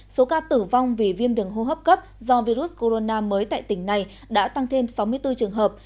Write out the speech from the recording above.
số ca tử vong vì viêm đường hô hấp cấp do virus corona mới tại tỉnh này đã tăng thêm sáu mươi bốn trường hợp